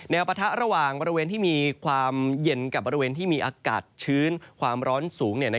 ปะทะระหว่างบริเวณที่มีความเย็นกับบริเวณที่มีอากาศชื้นความร้อนสูง